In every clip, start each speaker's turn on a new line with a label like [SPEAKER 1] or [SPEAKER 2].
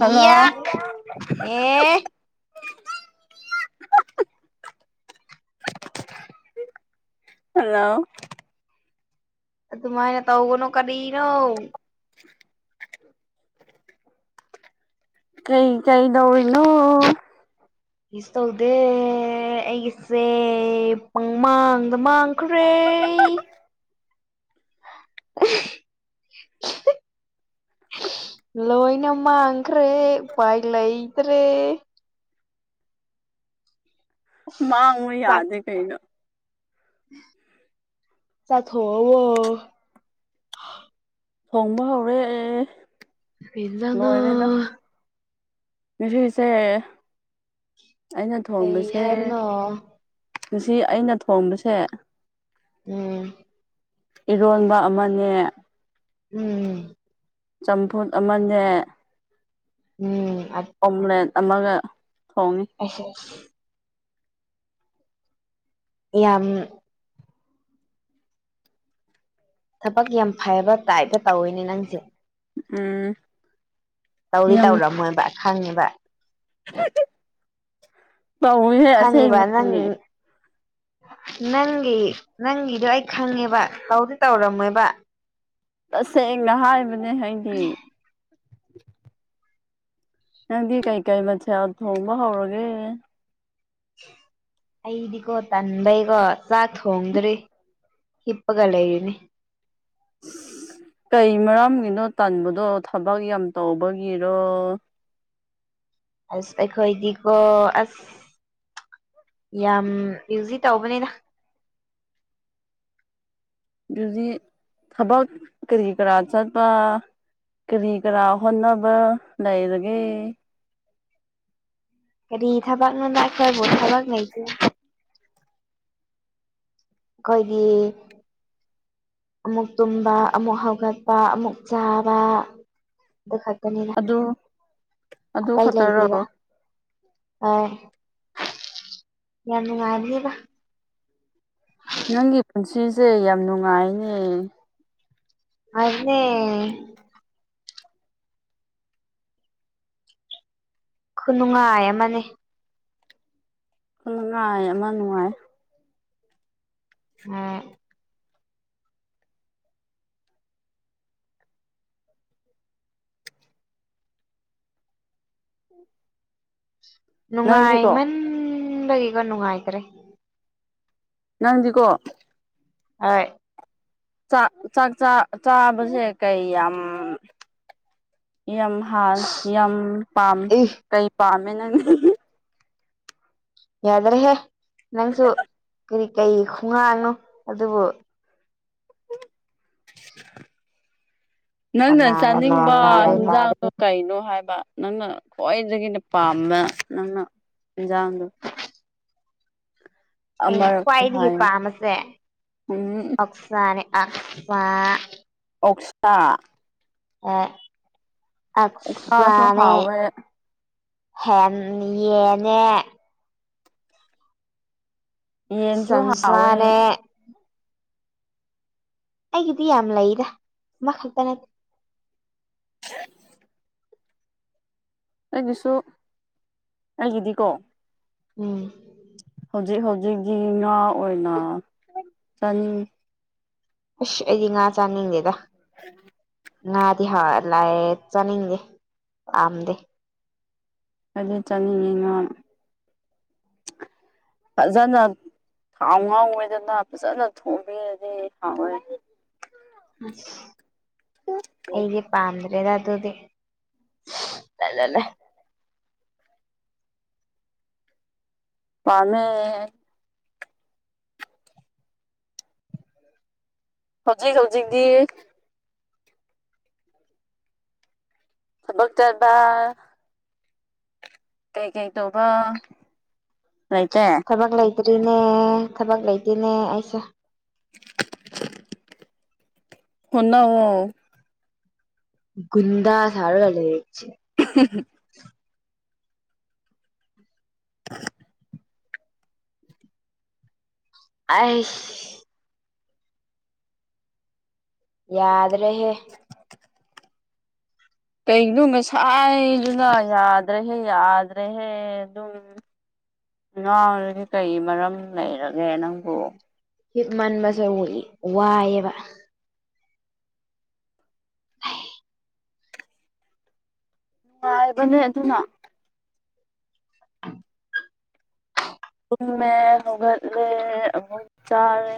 [SPEAKER 1] Hello
[SPEAKER 2] ꯌꯥꯥꯛ ꯑꯦ [unintelligible]
[SPEAKER 1] hello
[SPEAKER 2] ꯑꯗꯨꯃꯥꯏꯅ ꯇꯧꯒꯅꯨ ꯀꯔꯤꯅꯣ
[SPEAKER 1] [unintelligible] ꯀꯩ ꯀꯩ ꯇꯧꯔꯤꯅꯣ
[SPEAKER 2] ꯀꯩꯁꯨ ꯇꯧꯗꯦ ꯑꯩꯒꯤꯁꯦ ꯄꯪꯃꯥꯡꯗ ꯃꯥꯡꯈ꯭ꯔꯦ [unintelligible] ꯂꯣꯏꯅ ꯃꯥꯡꯈ꯭ꯔꯦ ꯎꯄꯥꯏ ꯂꯩꯇ꯭ꯔꯦ
[SPEAKER 1] ꯃꯥꯡ ꯎ
[SPEAKER 2] ꯆꯥꯛ
[SPEAKER 1] ꯌꯥꯗꯦ ꯀꯩꯅꯣ
[SPEAKER 2] ꯆꯥꯛ ꯊꯣꯡꯉꯕꯣ
[SPEAKER 1] ꯊꯣꯡꯕ ꯍꯧꯔꯦ ꯑꯦ
[SPEAKER 2] ꯀꯔꯤ ꯢꯟꯁꯥꯡ ꯅꯣ
[SPEAKER 1] ꯉꯁꯤꯁꯦ ꯑꯩꯅ
[SPEAKER 2] ꯀꯩ
[SPEAKER 1] ꯊꯣꯡꯕꯁꯦ
[SPEAKER 2] ꯍꯥꯏꯕꯅꯣ
[SPEAKER 1] ꯉꯁꯤ ꯑꯩꯅ ꯊꯣꯡꯕꯁꯦ
[SPEAKER 2] ꯎꯝ
[SPEAKER 1] ꯏꯔꯣꯟꯕ ꯑꯃꯅꯦ
[SPEAKER 2] ꯎꯝ
[SPEAKER 1] ꯆꯝꯐꯨꯠ ꯑꯃꯅꯦ
[SPEAKER 2] ꯎꯝ ꯑ
[SPEAKER 1] ꯑꯣꯝꯂꯦꯠ ꯑꯃꯒ ꯊꯣꯡꯉꯤ
[SPEAKER 2] ꯑꯩꯁ ꯌꯥꯝ ꯊꯕꯛ ꯌꯥꯝ ꯐꯕ ꯇꯥꯏꯞꯇ ꯇꯧꯋꯤꯅꯦ ꯅꯪꯁꯦ
[SPEAKER 1] ꯎꯝ
[SPEAKER 2] ꯇꯧꯗꯤ ꯇꯧꯔꯝꯃꯣꯏꯕ ꯈꯪꯉꯦꯕ
[SPEAKER 1] ꯇꯧꯏꯍꯦ
[SPEAKER 2] ꯈꯪꯉꯦꯕ ꯅꯪ
[SPEAKER 1] ꯑꯁꯦꯡꯕꯒꯤꯅꯤ
[SPEAKER 2] ꯅꯪꯒꯤ ꯅꯪꯒꯤꯗꯣ ꯑꯩ ꯈꯪꯉꯦꯕ ꯇꯧꯗꯤ ꯇꯧꯔꯝꯃꯣꯏꯕ
[SPEAKER 1] ꯇꯁꯦꯡꯅ ꯍꯥꯏꯕꯅꯦ ꯑꯩꯗꯤ ꯅꯪꯗꯤ ꯀꯩꯀꯩ ꯃꯊꯦꯜ ꯊꯣꯡꯕ ꯍꯧꯔꯒꯦ
[SPEAKER 2] ꯑꯩꯗꯤꯀꯣ ꯇꯟꯕꯩꯀꯣ ꯆꯥꯛ ꯊꯣꯡꯗ꯭ꯔꯤ ꯍꯤꯞꯒ ꯂꯩꯅꯤ
[SPEAKER 1] ꯀꯩ ꯃꯔꯝꯒꯤꯅꯣ ꯇꯥꯟꯕꯗꯣ ꯊꯕꯛ ꯌꯥꯝ ꯇꯧꯕꯒꯤꯔꯣ
[SPEAKER 2] ꯑꯁ ꯑꯩꯈꯣꯏꯗꯤꯀꯣ ꯑꯁ ꯌꯥꯝ ꯏꯨꯖꯤ ꯇꯧꯕꯅꯤꯅ
[SPEAKER 1] ꯑꯗꯨꯗꯤ ꯊꯕꯛ ꯀꯔꯤ ꯀꯔꯥ ꯆꯠꯄ ꯀꯔꯤ ꯀꯥ ꯍꯣꯟꯅꯕ ꯂꯩꯔꯒꯦ
[SPEAKER 2] ꯀꯔꯤ ꯏ ꯊꯥꯕꯛꯅꯅꯨꯡꯕꯥꯛ ꯈꯦꯕꯣ ꯏ ꯊꯕꯥꯛ ꯂꯩꯀ ꯑꯩꯈꯣꯏꯒꯤ ꯑꯃꯨꯛ ꯇꯨꯝꯕ ꯑꯃꯨꯛ ꯍꯧꯒꯠꯄ ꯑꯃꯨꯛ ꯆꯥꯕ ꯈꯗꯅꯤꯅ
[SPEAKER 1] ꯑꯗꯨꯣ
[SPEAKER 2] ꯀꯩ ꯂꯩꯗꯦꯔ ꯑꯣ ꯌꯥ ꯉꯔꯤꯗ
[SPEAKER 1] ꯅꯪꯒꯤ ꯄꯨꯟꯁꯤꯁꯦ ꯌꯥꯝ ꯅꯨꯡꯉꯥꯏꯅꯦ
[SPEAKER 2] ꯑꯗꯨꯅꯦ ꯈꯨꯅꯨꯡꯉꯥꯏ ꯑꯃꯅꯦ
[SPEAKER 1] ꯅꯨꯡꯉꯥꯏ ꯑꯃ ꯅꯨꯡꯉꯥꯏ
[SPEAKER 2] ꯑꯝ
[SPEAKER 1] ꯅꯪꯗꯤꯀꯣ
[SPEAKER 2] ꯅꯨꯡꯉꯥꯏꯃꯟꯕꯒꯤꯀꯣ ꯅꯨꯡꯉꯥꯏꯈ꯭ꯔꯦ
[SPEAKER 1] ꯅꯪꯗꯤꯀꯣ
[SPEAKER 2] ꯍ
[SPEAKER 1] ꯆꯥꯛ ꯆꯥꯛ ꯆꯥꯕꯁꯦ ꯀꯩ ꯌꯥꯝ ꯌꯥꯝ ꯍꯥꯥꯟ ꯌꯥꯝ ꯄꯥꯝ
[SPEAKER 2] ꯏꯁ
[SPEAKER 1] ꯀꯩ ꯄꯥꯝꯃꯦ ꯅꯪ
[SPEAKER 2] ꯌꯥꯗ꯭ꯔꯦꯍꯦ ꯅꯪꯁꯨ ꯀꯔꯤ ꯀꯔꯤ ꯈꯣꯡꯉꯥꯡꯅꯣ ꯑꯗꯨꯕꯨ
[SPEAKER 1] ꯅꯪ ꯅꯪ
[SPEAKER 2] ꯀꯅꯥꯅ ꯒ꯭ꯌꯥꯟ
[SPEAKER 1] ꯆꯥꯅꯤꯡꯕꯖꯥꯡ
[SPEAKER 2] ꯇꯥꯗꯣꯏꯅꯣ
[SPEAKER 1] ꯑ ꯀꯩꯅꯣ ꯍꯥꯏꯕ ꯅꯪꯅ ꯈ꯭ꯋꯥꯏꯗꯒꯤꯅ ꯄꯥꯝꯕ ꯅꯪꯅ ꯏꯟꯖꯥꯡꯗꯣ
[SPEAKER 2] ꯑꯩ
[SPEAKER 1] ꯑꯃꯔꯛꯇꯤ
[SPEAKER 2] ꯈ꯭ꯋꯥꯏꯗꯒꯤ
[SPEAKER 1] ꯍꯥꯏꯌꯨ
[SPEAKER 2] ꯄꯥꯝꯕꯁꯦ
[SPEAKER 1] ꯎꯝ
[SPEAKER 2] ꯑꯛꯁꯥꯅꯦ ꯑꯛꯁꯥ
[SPEAKER 1] ꯑꯣꯛꯁꯥ
[SPEAKER 2] ꯑ
[SPEAKER 1] ꯑꯣꯛꯁꯥꯁꯨ
[SPEAKER 2] ꯑꯐꯅꯦꯦ
[SPEAKER 1] ꯍꯥꯎꯋꯦ
[SPEAKER 2] ꯍ
[SPEAKER 1] ꯌꯦꯟꯁꯨ ꯍꯥꯎꯋꯦ
[SPEAKER 2] ꯁꯟꯁꯥꯅꯦ ꯑꯩꯒꯤꯗꯤ ꯌꯥꯝ ꯂꯩꯗ ꯃꯥ ꯈꯛꯇ ꯅꯠꯇꯦ
[SPEAKER 1] [unintelligible] ꯑꯩꯒꯤꯁꯨ ꯑꯩꯒꯤꯗꯤꯀꯣ
[SPEAKER 2] ꯎꯝ
[SPEAKER 1] ꯍꯧꯖꯤꯛ ꯍꯧꯖꯤꯛꯤ ꯉꯥ ꯑꯣꯏꯅ ꯆꯅꯤ
[SPEAKER 2] ꯑꯁ ꯑꯩꯗꯤ ꯉꯥ ꯆꯥꯅꯤꯡꯗꯦꯗ
[SPEAKER 1] ꯎꯝ
[SPEAKER 2] ꯉꯅꯥꯗꯤ ꯍꯥ ꯂꯌꯦ ꯆꯅꯤꯗꯦꯝꯗꯦ
[SPEAKER 1] ꯍꯥꯏꯗꯤ ꯆꯠꯅꯤꯡꯉꯤꯅꯣ ꯐꯖꯅ ꯊꯥꯎ ꯉꯥꯎꯋꯦꯗꯅ ꯐꯖꯅ ꯊꯣꯡꯕꯤꯔꯗꯤ ꯍꯥꯎꯋꯦ
[SPEAKER 2] ꯑꯩꯒꯤꯦ ꯄꯝꯗ ꯗꯥ ꯇꯗꯤ ꯅ
[SPEAKER 1] ꯄꯅꯦ ꯍꯧꯖꯤꯛ ꯍꯧꯖꯤꯛꯗꯤ ꯣꯛ ꯆꯔꯕ ꯀꯩ ꯀꯩ ꯇꯧꯕ ꯂꯩꯥꯏꯇꯦ
[SPEAKER 2] ꯊꯕꯛ ꯂꯩꯇ꯭ꯔꯤꯅꯦ ꯊꯕꯛ ꯂꯩꯇꯦꯅꯦ ꯑꯩꯁꯦ
[SPEAKER 1] [unintelligible] ꯍꯣꯠꯅꯧꯋꯣ
[SPEAKER 2] ꯒꯨꯟꯗꯥ ꯁꯥꯔꯒ ꯂꯩꯌꯦ ꯁꯤ
[SPEAKER 1] ꯎ [unintelligible] [inaudible]
[SPEAKER 2] ꯑꯥꯏꯁ ꯌꯥꯗ꯭ꯔꯦꯍꯦ
[SPEAKER 1] [inaudible] ꯀꯩꯅꯣ ꯉꯁꯥꯏꯗꯨꯅ ꯌꯥꯗ꯭ꯔꯦꯍꯦ ꯌꯥꯗ꯭ꯔꯦꯍꯦ ꯑꯗꯨꯒꯤꯅꯤ ꯉꯥꯡꯔꯗꯤ ꯀꯩ ꯃꯔꯝ ꯂꯩꯔꯒꯦ ꯅꯪꯕꯨ
[SPEAKER 2] ꯍꯤꯞꯃꯟꯕꯁꯦ ꯋꯥꯏꯑꯦꯕꯥ
[SPEAKER 1] ꯉꯥꯏꯕꯅꯦ ꯑꯗꯨꯅ
[SPEAKER 2] [inaudible]
[SPEAKER 1] ꯇꯨꯝꯃꯦ ꯍꯧꯒꯠꯂꯦ ꯑꯃꯨꯛ ꯆꯥꯔꯦ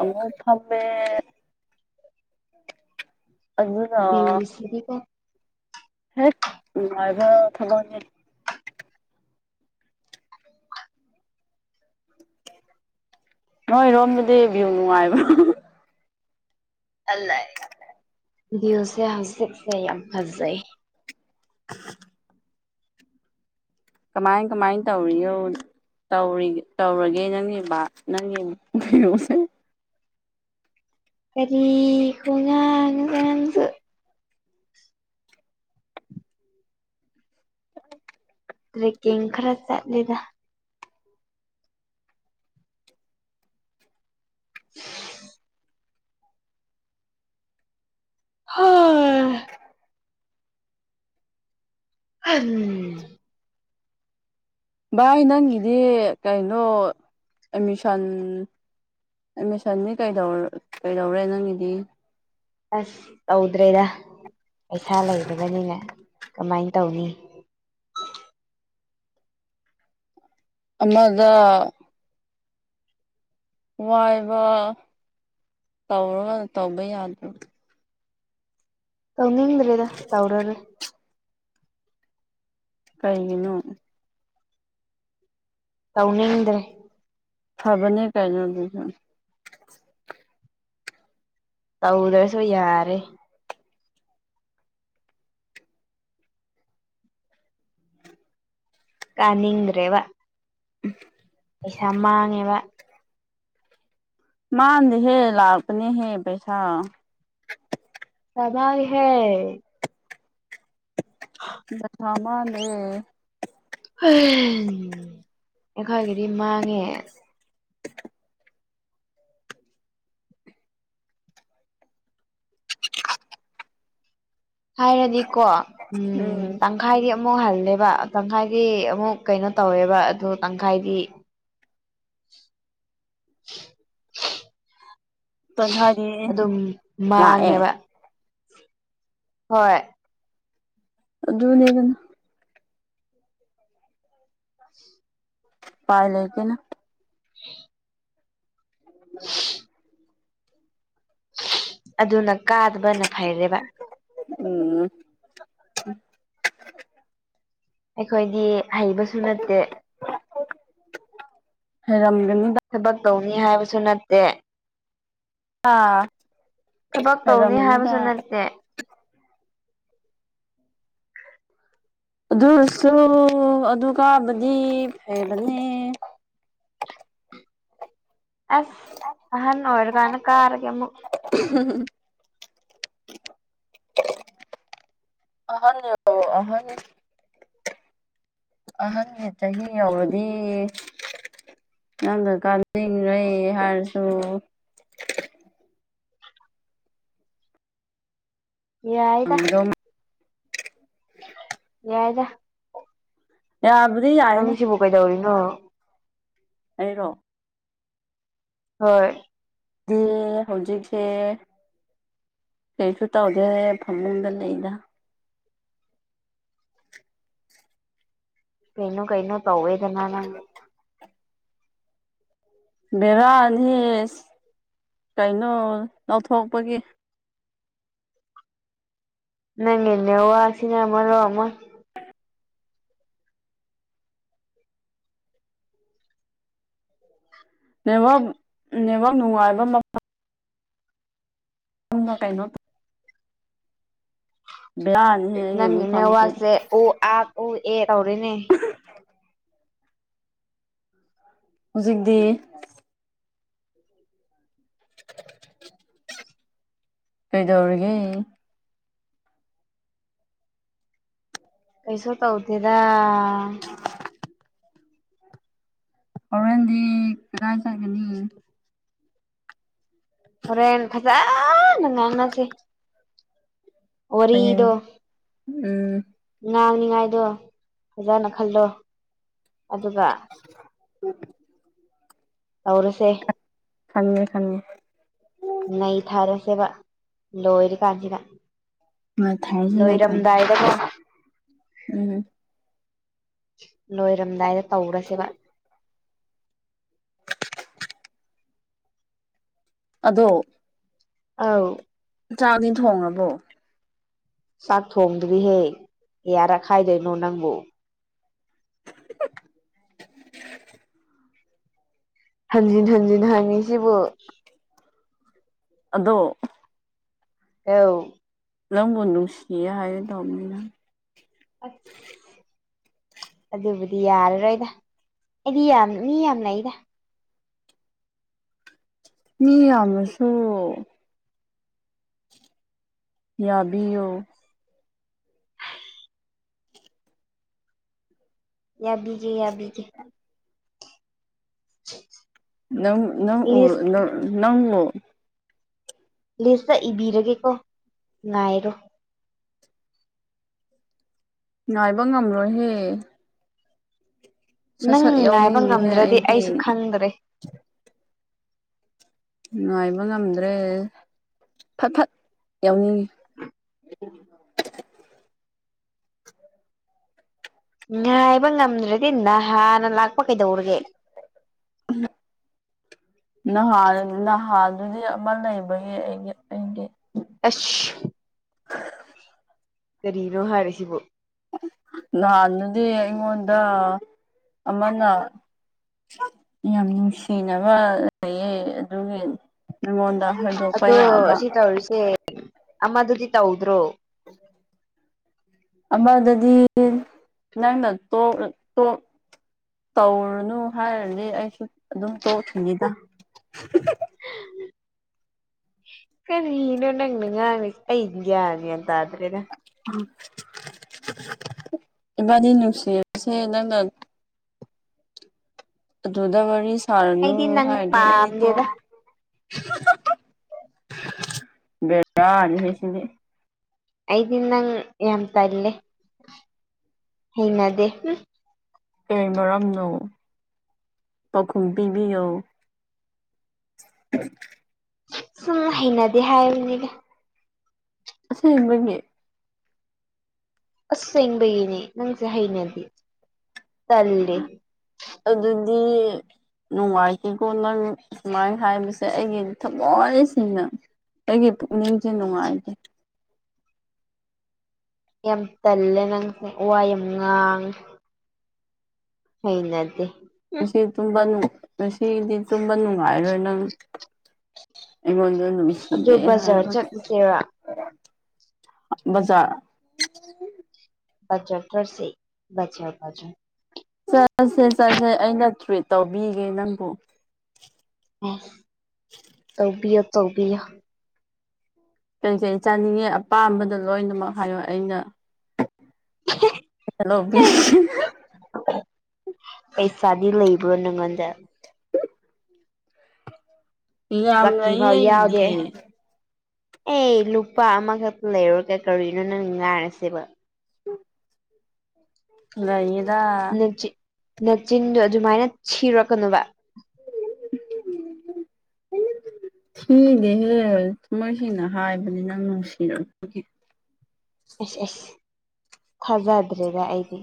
[SPEAKER 1] ꯑꯃꯨꯛ ꯐꯝꯃꯦ ꯑꯗꯨꯅ
[SPEAKER 2] ꯕꯤꯜꯁꯤꯗꯤ ꯀꯣ
[SPEAKER 1] ꯍꯦꯛ ꯅꯨꯡꯉꯥꯏꯕ ꯊꯕꯛꯅꯤ ꯅꯣꯏ ꯔꯣꯝꯗꯗꯤ ꯚꯤꯜ ꯅꯨꯡꯉꯥꯏꯕ꯭ꯔꯣ
[SPEAKER 2] ꯇꯠꯂꯩ ꯚꯤꯜꯁꯦ ꯍꯧꯖꯤꯛꯁꯦ ꯌꯥꯝ ꯐꯖꯩ
[SPEAKER 1] [inaudible] ꯀꯃꯥꯏ ꯀꯃꯥꯏ ꯇꯧꯔꯤꯌꯣꯅ ꯇꯧꯔꯤ ꯇꯧꯔꯒꯦ ꯅꯪꯒꯤ ꯕꯥ ꯅꯪꯒꯤ ꯀꯩꯅꯣꯁꯦ
[SPEAKER 2] ꯀꯔꯤ ꯈꯨꯉꯥꯡꯅꯣꯗ ꯅꯪꯁꯨ ꯇ꯭ꯔꯦꯀꯤꯡ ꯈꯔ ꯆꯠꯂꯤꯗꯥ [inaudible] ꯍꯣꯏ ꯑꯝ
[SPEAKER 1] ꯚꯥꯏ ꯅꯪꯒꯤꯗꯤ ꯀꯩꯅꯣ ꯑꯦꯃꯤꯁꯟ ꯑꯦꯃꯤꯁꯟꯗꯤ ꯀꯩꯗꯧꯔ ꯀꯩꯗꯧꯔꯦ ꯅꯪꯒꯤꯗꯤ
[SPEAKER 2] ꯑꯁ ꯇꯧꯗ꯭ꯔꯦꯗꯥ ꯄꯩꯁꯥ ꯂꯩꯇꯕꯅꯤꯅ ꯀꯃꯥꯏ ꯇꯧꯅꯤ
[SPEAKER 1] ꯑꯃꯒ ꯉꯥꯏꯕ ꯇꯧꯔꯒ ꯇꯧꯕ ꯌꯥꯗꯦ
[SPEAKER 2] ꯇꯧꯅꯤꯡꯗ꯭ꯔꯦꯗ ꯇꯧꯔꯔꯣꯏ
[SPEAKER 1] ꯀꯩꯒꯤꯅꯣ
[SPEAKER 2] ꯇꯧꯅꯤꯡꯗ꯭ꯔꯦ
[SPEAKER 1] ꯐꯕꯅꯦ ꯀꯩꯅꯣ ꯑꯗꯨꯁꯨ
[SPEAKER 2] ꯇꯧꯗ꯭ꯔꯁꯨ ꯌꯥꯔꯦ ꯀꯥꯅꯤꯡꯗ꯭ꯔꯦꯕ
[SPEAKER 1] ꯎꯝ
[SPEAKER 2] ꯄꯩꯁꯥ ꯃꯥꯡꯉꯦꯕꯥ
[SPEAKER 1] ꯃꯥꯥꯟꯗꯦꯍꯦ ꯂꯥꯛꯄꯅꯤꯍꯦ ꯄꯩꯁꯥ
[SPEAKER 2] ꯇꯕꯥꯏꯍꯦ ꯍ
[SPEAKER 1] ꯖꯊꯨꯋꯥ ꯃꯥꯡꯒ꯭ꯔꯦ
[SPEAKER 2] ꯍꯩ ꯑꯩꯈꯣꯏꯒꯤꯗꯤ ꯃꯥꯡꯉꯦ ꯍꯥꯏꯔꯗꯤꯀꯣ ꯎꯝ ꯇꯪꯈꯥꯏꯗꯤ ꯑꯃꯨꯛ ꯍꯜꯂꯦꯕ ꯇꯪꯈꯥꯏꯗꯤ ꯑꯃꯨꯛ ꯀꯩꯅꯣ ꯇꯧꯋꯦꯕ ꯑꯗꯨ ꯇꯪꯈꯥꯏꯗꯤ
[SPEAKER 1] ꯇꯪꯈꯥꯏꯗꯤ
[SPEAKER 2] [inaudible] ꯑꯗꯨꯝ
[SPEAKER 1] ꯂꯥꯛꯑꯦ
[SPEAKER 2] ꯃꯥꯡꯉꯦꯕ ꯍꯣꯏ
[SPEAKER 1] ꯑꯗꯨꯅꯦ ꯑꯗꯨꯅꯦ ꯄꯥꯏ ꯂꯩꯒꯦꯅ
[SPEAKER 2] ꯎ [unintelligible]
[SPEAKER 1] ꯑ [unintelligible]
[SPEAKER 2] ꯑꯗꯨꯅ ꯀꯥꯗꯕꯅ ꯐꯩꯔꯦꯕ
[SPEAKER 1] ꯎꯝ
[SPEAKER 2] ꯑꯩꯈꯣꯏꯗꯤ ꯍꯩꯕꯁꯨ ꯅꯠꯇꯦ
[SPEAKER 1] ꯍꯦꯔꯝꯒꯅ
[SPEAKER 2] ꯊꯕꯛ ꯇꯧꯅꯤ ꯍꯥꯏꯕꯁꯨ ꯅꯠꯇꯦ ꯊꯕꯛ ꯇꯧꯅꯤ
[SPEAKER 1] ꯍꯩꯔꯝꯒꯅꯤꯗ
[SPEAKER 2] ꯍꯥꯏꯕꯁꯨ ꯅꯠꯇꯦ
[SPEAKER 1] ꯑꯗꯨꯁꯨ ꯑꯗꯨ ꯀꯕꯗꯤ ꯐꯔꯅꯦ
[SPEAKER 2] ꯑꯁ ꯑꯅꯣꯔ ꯀꯅ ꯀꯥꯔꯒꯦ
[SPEAKER 1] [unintelligible] ꯑꯍꯅꯤ ꯑꯍꯅꯤ ꯑꯍꯟꯒꯤ ꯆꯍꯤ ꯌꯥꯎꯔꯗꯤ ꯅꯪꯗ ꯀ ꯂꯩ ꯍꯥꯏꯔꯁꯨ
[SPEAKER 2] ꯌꯥꯏꯗ ꯌꯥꯗ
[SPEAKER 1] ꯌꯥꯕꯙ ꯌꯥꯏꯅꯦ
[SPEAKER 2] ꯁꯤꯕꯨ ꯀꯩꯗꯧꯔꯤꯅꯣ
[SPEAKER 1] ꯑꯩꯔꯣ
[SPEAKER 2] ꯍꯣꯏ
[SPEAKER 1] ꯍꯧꯖꯤꯛꯁꯦ ꯀꯩꯁꯨ ꯇꯧꯗꯦꯔꯦ ꯐꯃꯨꯡꯗ ꯂꯩꯗ
[SPEAKER 2] ꯀꯩꯅꯩꯅꯣ ꯀꯩꯅꯣ ꯇꯧꯋꯗꯅꯥꯅ [unintelligible]
[SPEAKER 1] ꯕꯦꯔꯥꯅꯤꯁ ꯀꯩꯅꯣ ꯂꯧꯊꯣꯛꯄꯒꯤ
[SPEAKER 2] ꯅꯪꯅꯦ ꯋꯥ ꯑꯁꯤꯅꯦ ꯃꯔꯣ ꯑꯃ
[SPEAKER 1] ꯅꯦꯠꯋꯥꯛ ꯅꯦꯠꯋꯥꯛ ꯅꯨꯡꯉꯥꯏꯕ ꯎꯅ ꯀꯩꯅꯣ ꯕꯤꯂꯥꯟ [unintelligible]
[SPEAKER 2] ꯅꯪꯒꯤꯅꯦ ꯋꯥꯁꯦ ꯎ ꯑ ꯎ ꯑꯦ ꯇꯧꯔꯤꯅꯦ
[SPEAKER 1] ꯍꯧꯖꯤꯛꯇꯤ [unintelligible] ꯀꯩꯗꯧꯔꯤꯒꯦ
[SPEAKER 2] ꯀꯩꯁꯨ ꯇꯧꯗꯦꯗ
[SPEAKER 1] ꯍꯧꯔꯦꯟꯗꯤ ꯀꯥꯏ ꯆꯒꯅꯤ
[SPEAKER 2] ꯍꯣꯔꯦꯟ ꯐꯖꯥꯅ ꯉꯥꯟꯅꯁꯦ
[SPEAKER 1] ꯍꯌꯦꯡ
[SPEAKER 2] ꯋꯔꯤꯗꯣ
[SPEAKER 1] ꯎꯝ
[SPEAKER 2] ꯉꯥꯡꯅꯤꯉꯥꯏꯗꯣ ꯐꯖꯅ ꯈꯜꯂꯣ ꯑꯗꯨꯒ ꯍꯧꯔꯁꯦ
[SPEAKER 1] ꯈꯪꯉꯦ ꯈꯪꯉꯦ
[SPEAKER 2] ꯅꯩ ꯊꯥꯔꯁꯦꯕ ꯂꯣꯏꯔꯤ ꯀꯥꯟꯁꯤꯗ
[SPEAKER 1] ꯃꯊꯥꯏꯁꯤꯅ ꯊꯥꯏ
[SPEAKER 2] ꯂꯣꯏꯔꯝꯗꯥꯏꯗ
[SPEAKER 1] ꯎꯝ
[SPEAKER 2] ꯂꯣꯏꯔꯝꯗꯥꯏꯗ ꯇꯧꯔꯁꯦꯕ
[SPEAKER 1] ꯑꯗꯣ
[SPEAKER 2] ꯑꯥꯎ
[SPEAKER 1] ꯆꯥꯛꯗꯤ ꯊꯣꯡꯉꯕꯣ
[SPEAKER 2] ꯆꯥꯛ ꯊꯣꯡ [unintelligible] ꯗꯤꯍꯦꯛ ꯌꯥꯔꯛꯈꯥꯏꯗꯣꯏꯅꯣ ꯅꯪꯕꯨ
[SPEAKER 1] [unintelligible]
[SPEAKER 2] ꯍꯟꯖꯤꯟ ꯍꯟꯖꯤꯟ ꯍꯪꯉꯤ ꯁꯤꯕꯨ
[SPEAKER 1] ꯑꯗꯣ
[SPEAKER 2] ꯑꯧ
[SPEAKER 1] ꯂꯪꯒꯨꯟꯗꯨꯡꯁꯤꯩ ꯍꯩ ꯗꯅꯤꯅ [unintelligible]
[SPEAKER 2] ꯑ꯫ [unintelligible] ꯑꯗꯨꯕꯨꯗꯤ ꯌꯥꯔꯔꯣꯏꯗ ꯑꯩꯗꯤ ꯌꯥꯝ ꯃꯤ ꯌꯥꯝꯅ ꯑꯩꯗ
[SPEAKER 1] ꯃꯤ ꯌꯥꯝꯃꯁꯨ ꯌꯥꯕꯤꯌꯨ
[SPEAKER 2] ꯌꯥ ꯕꯤꯒꯦ ꯌꯥꯕꯤꯒꯦ [inaudible]
[SPEAKER 1] ꯅꯪ ꯅꯪ
[SPEAKER 2] ꯂꯤꯁ
[SPEAKER 1] ꯅꯪ
[SPEAKER 2] ꯂꯤꯁꯇ ꯏꯕꯤꯔꯒꯦꯀꯣ ꯉꯥꯏꯔꯣ
[SPEAKER 1] ꯉꯥꯏꯕ ꯉꯝꯂꯣꯏꯍꯦ ꯁꯠ
[SPEAKER 2] ꯅꯪ
[SPEAKER 1] ꯁꯠ
[SPEAKER 2] ꯉꯥꯏꯕ
[SPEAKER 1] ꯌꯥꯎꯅꯤꯡꯉꯤꯍꯦ
[SPEAKER 2] ꯉꯝꯗ꯭ꯔꯗꯤ ꯑꯩꯁꯨ
[SPEAKER 1] ꯑꯩꯗꯤ
[SPEAKER 2] ꯈꯪꯗ꯭ꯔꯦ
[SPEAKER 1] ꯅꯨꯡꯉꯥꯏꯕ ꯉꯝꯗ꯭ꯔꯦ ꯐꯠ ꯐꯠ ꯌꯥꯎꯅꯤꯡꯉꯤ
[SPEAKER 2] ꯉꯥꯏꯕ ꯉꯝꯗ꯭ꯔꯗꯤ ꯅꯍꯥꯟꯅ ꯂꯥꯛꯄ ꯀꯩꯗꯧꯔꯒꯦ [inaudible]
[SPEAKER 1] ꯅꯍꯥ ꯅꯍꯥꯗꯨꯗꯤ ꯑꯃ ꯂꯩꯕꯒꯤ ꯑꯩꯒꯤ ꯑꯩꯒꯤ [unintelligible]
[SPEAKER 2] ꯑꯁ ꯀꯔꯤꯅꯣ ꯍꯥꯏꯔꯤꯁꯤꯕꯣ
[SPEAKER 1] ꯅꯍꯥꯟꯅꯗꯤ ꯑꯩꯉꯣꯟꯗ ꯑꯃꯅ ꯌꯥꯝ ꯅꯨꯡꯁꯤꯅꯕ ꯂꯩꯌꯦ ꯑꯗꯨꯒꯤ ꯅꯪꯉꯣꯟꯗ ꯍꯟꯗꯣꯛꯄ ꯌꯥꯕ
[SPEAKER 2] ꯑꯦ ꯑꯃꯗꯨꯗꯤ ꯇꯧꯗ꯭ꯔꯣ꯫
[SPEAKER 1] ꯎꯝ ꯑꯃꯗꯨꯗꯤ ꯅꯪꯅ ꯇꯣꯛ ꯇꯣꯛ ꯇꯧꯔꯨꯅꯨ ꯍꯥꯏꯔꯗꯤ ꯑꯩꯁꯨ ꯑꯗꯨꯝ ꯇꯣꯛꯈꯤꯅꯤꯗ
[SPEAKER 2] ꯀꯔꯤꯅꯣ ꯅꯪꯅꯥ ꯉꯡꯉꯤꯗꯣ ꯑꯩ ꯒꯌ꯭ꯥꯟꯃꯟ ꯇꯥꯗ꯭ꯔꯦꯗ
[SPEAKER 1] ꯏꯕꯥꯅꯤ ꯅꯨꯡꯁꯤꯅꯕꯁꯦ ꯅꯪꯅ ꯑꯗꯨꯗ ꯋꯥꯔꯤ ꯁꯥꯔꯅꯨ
[SPEAKER 2] ꯑꯩꯗꯤ ꯅꯪ
[SPEAKER 1] ꯍꯥꯏꯔꯗꯤ ꯑꯩꯗꯤ ꯇꯣ
[SPEAKER 2] ꯄꯥꯝꯗꯦꯗ
[SPEAKER 1] ꯕꯦꯔꯥꯅꯤꯍꯦ ꯁꯤꯗꯤ
[SPEAKER 2] ꯑꯩꯗꯤ ꯅꯪ ꯌꯥꯝ ꯇꯜꯂꯦ ꯍꯩꯅꯗꯦ ꯍꯨꯡ
[SPEAKER 1] ꯀꯌꯤ ꯃꯔꯝꯅꯣ ꯄꯥꯎꯈꯨꯝ ꯄꯤꯕꯤꯌꯣ [inaudible]
[SPEAKER 2] ꯁꯨꯝ ꯍꯩꯅꯗꯦ ꯍꯥꯏꯕꯅꯤꯗ
[SPEAKER 1] ꯑꯁꯦꯡꯕꯒꯤ
[SPEAKER 2] ꯑꯁꯕꯒꯤꯅꯤ ꯅꯪꯁꯦ ꯍꯩꯅꯗꯦ ꯇꯜꯂꯦ
[SPEAKER 1] ꯑꯗꯨꯗꯤ ꯅꯨꯡꯉꯥꯏꯇꯦꯀꯣ ꯅꯪ ꯁꯨꯃꯥꯏꯅ ꯍꯥꯏꯕꯁꯦ ꯑꯩꯒꯤꯗꯤ ꯊꯃꯣꯏꯁꯦꯡꯅ ꯑꯩꯒꯤ ꯄꯨꯛꯅꯤꯡꯁꯦ ꯅꯨꯡꯉꯥꯏꯇꯦ
[SPEAKER 2] ꯌꯥꯝ ꯇꯜꯂꯦ ꯅꯪ ꯋꯥ ꯌꯥꯝ ꯉꯥꯡꯉꯦ ꯍꯩ ꯅꯗꯦ
[SPEAKER 1] ꯉꯁꯤ ꯇꯨꯝꯕ ꯅꯨꯡ ꯉꯁꯤꯒꯤꯗꯤ ꯇꯨꯝꯕ ꯅꯨꯡꯉꯥꯏꯔꯣꯏ ꯅꯪ ꯑꯩꯉꯣꯟꯗ
[SPEAKER 2] ꯑꯗꯨ
[SPEAKER 1] ꯅꯨꯡꯁꯤꯗꯦ
[SPEAKER 2] ꯕꯖꯥꯔ
[SPEAKER 1] ꯍꯥꯏꯕꯒꯤ
[SPEAKER 2] ꯆꯠꯂꯨꯁꯤꯔ ꯐꯖꯗ꯭ꯔꯥꯁꯤ ꯐꯖ ꯐꯖ
[SPEAKER 1] ꯆꯠꯁꯦ ꯆꯠꯁꯦ ꯑꯩꯅ ꯇ꯭ꯔꯤꯠ ꯇꯧꯕꯤꯒꯦ ꯅꯪꯕꯨ
[SPEAKER 2] ꯇꯧꯕꯤꯌꯣ ꯇꯧꯕꯤꯌꯣ
[SPEAKER 1] ꯀꯩꯀꯩ ꯆꯥꯅꯤꯡꯉꯦ ꯑꯄꯥꯝꯕꯗꯣ ꯂꯣꯏꯅꯃꯛ ꯍꯥꯏꯌꯣ ꯑꯩꯅ ꯍꯂꯣꯕꯤ
[SPEAKER 2] ꯄꯩꯁꯥꯗꯤ ꯂꯩꯕ꯭ꯔꯣ ꯅꯪꯉꯣꯟꯗ
[SPEAKER 1] ꯌꯥꯝ
[SPEAKER 2] ꯁꯤꯀꯤ ꯐꯥꯎ
[SPEAKER 1] ꯂꯩꯌꯦ
[SPEAKER 2] ꯌꯥꯎꯗꯦ
[SPEAKER 1] ꯑꯩꯒꯤꯗꯤ
[SPEAKER 2] ꯑꯦ ꯂꯨꯄꯥ ꯑꯃꯒ ꯂꯩꯔꯣꯗꯔꯣ ꯅꯪ ꯉꯥꯡꯉꯤꯁꯤꯕ‌ꯣ
[SPEAKER 1] ꯂꯩꯗꯥ
[SPEAKER 2] ꯅꯆꯤꯟ ꯅꯆꯤꯟꯗꯣ ꯑꯗꯨꯃꯥꯏꯅ ꯊꯤꯔꯛꯀꯅꯣꯕ [inaudible]
[SPEAKER 1] ꯊꯤꯗ‌ꯦꯍꯦ ꯊꯃꯣꯏ ꯁ‌ꯦꯡꯅ ꯍꯥꯏꯕꯅꯤ ꯅꯪ ꯅꯨꯡꯁꯤꯔꯛꯄꯒꯤ
[SPEAKER 2] ꯑꯦꯁ ꯑꯦꯁ ꯊꯥꯖꯗ꯭ꯔꯦꯗ ꯑꯩꯗꯤ